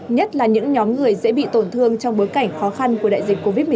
nhất là những nhóm người dễ bị tổn thương trong bối cảnh khó khăn của đại dịch covid một mươi chín